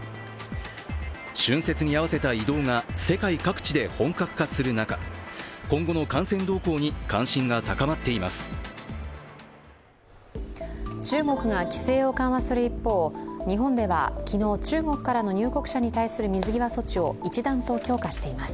春節に合わせた移動が世界各地で本格化する中、今後の感染動向に関心が高まっています。